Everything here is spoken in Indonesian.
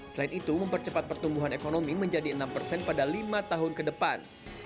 selain itu mempercepat pertumbuhan ekonomi menjadi enam persen pada lima tahun ke depan